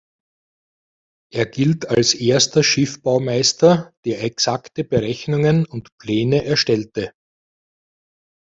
Er gilt als erster Schiffbaumeister, der exakte Berechnungen und Pläne erstellte.